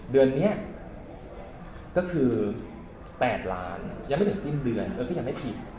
เดือนนี้ก็คือ๘ล้านยังไม่ถึงสิ้นเดือนเออก็ยังไม่ผิด